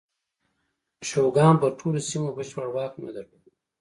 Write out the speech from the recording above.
شوګان پر ټولو سیمو بشپړ واک نه درلود.